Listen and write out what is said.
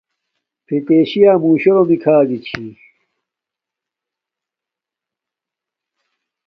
فتشی یا موشے لومی کھاگی چھی